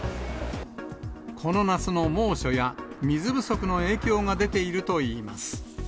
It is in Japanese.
この夏の猛暑や水不足の影響が出ているといいます。